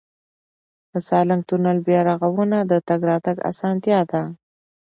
د سالنګ تونل بیا رغونه د تګ راتګ اسانتیا ده.